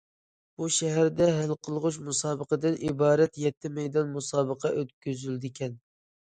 بۇ شەھەردە ھەل قىلغۇچ مۇسابىقىدىن ئىبارەت يەتتە مەيدان مۇسابىقە ئۆتكۈزۈلىدىكەن.